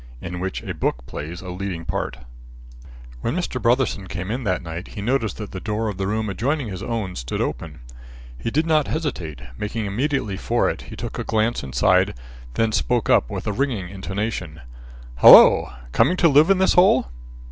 XVII. IN WHICH A BOOK PLAYS A LEADING PART When Mr. Brotherson came in that night, he noticed that the door of the room adjoining his own stood open. He did not hesitate. Making immediately for it, he took a glance inside, then spoke up with a ringing intonation: "Halloo! coming to live in this hole?"